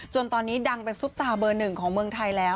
จนตอนนี้ดังเป็นซุปตาเบอร์หนึ่งของเมืองไทยแล้ว